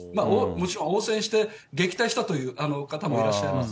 もちろん、応戦して撃退したという方もいらっしゃいます。